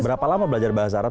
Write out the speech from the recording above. berapa lama belajar bahasa arab